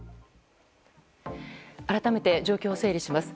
改めて状況を整理します。